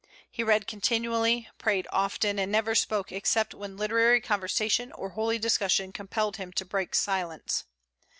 He read continually, prayed often, and never spoke except when literary conversation or holy discussion compelled him to break silence.